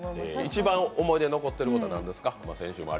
一番思い出に残ってることは何ですか？